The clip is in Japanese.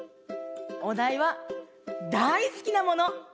おだいはだいすきなもの。